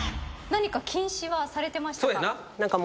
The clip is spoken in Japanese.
何か禁止はされてましたか？